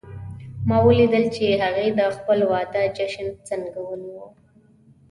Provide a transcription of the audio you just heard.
ما ولیدل چې هغې د خپل واده جشن څنګه ونیو